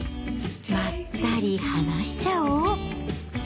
まったりはなしちゃお！